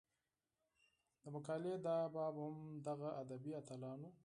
د مقالې دا باب هم دغه ادبي اتلانو